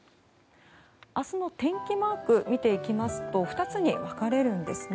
明日の天気マーク見ていきますと２つに分かれるんですね。